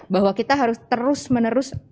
bahwa kita harus terus menerus